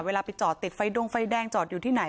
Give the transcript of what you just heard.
ไปจอดติดไฟดงไฟแดงจอดอยู่ที่ไหน